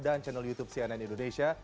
dan channel youtube cnn indonesia